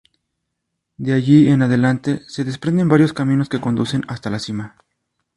De allí en adelante se desprenden varios caminos que conducen hasta la cima.